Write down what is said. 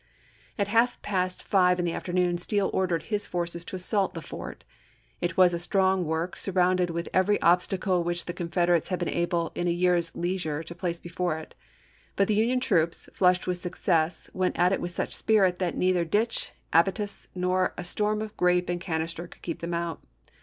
At half past five in the afternoon, Steele ordered his forces to assault the fort. It was a strong work, surrounded with every obstacle which the Confederates had been able in a year's leisure to place before it; but the Union troops, flushed with success, went at it with such spirit that neither ditch, abatis, nor a storm of grape and canister could keep them out.